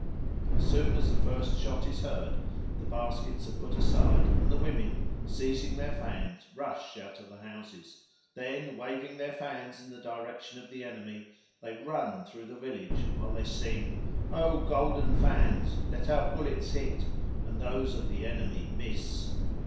As soon as the first shot is heard, the baskets are put aside, and the women, seizing their fans, rush out of the houses. Then, waving their fans in the direction of the enemy, they run through the village, while they sing, "O golden fans! let our bullets hit, and those of the enemy miss."